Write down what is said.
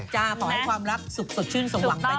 จะจะขอให้ความรักสุดชื่นสว่างไปตลอด